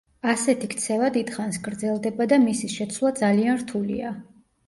ასეთი ქცევა დიდხანს გრძელდება და მისი შეცვლა ძალიან რთულია.